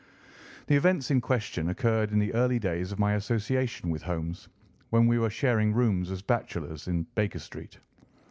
The events in question occurred in the early days of my association with Holmes, when we were sharing rooms as bachelors in Baker Street.